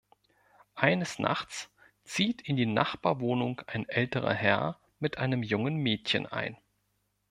Eines Nachts zieht in die Nachbarwohnung ein älterer Herr mit einem jungen Mädchen ein.